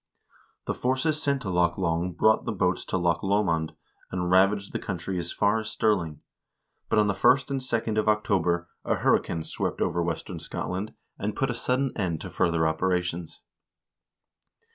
The forces sent into Loch Long brought boats to Loch Lomond, and ravaged the country as far as Stirling ; but on the 1st and 2d of October a hurri cane swept over western Scotland, and put a sudden end to further operations.